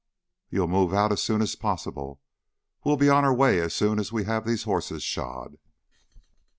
"You'll move out as soon as possible. We'll be on our way as soon as we have these horses shod."